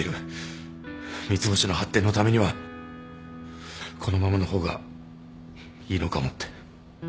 三ツ星の発展のためにはこのままの方がいいのかもって。